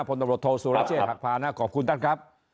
พบโทสุรเชษฐ์หักภานะขอบคุณท่านครับ